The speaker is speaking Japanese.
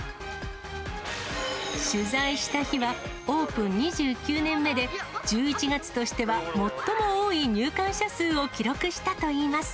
取材した日は、オープン２９年目で、１１月としては最も多い入館者数を記録したといいます。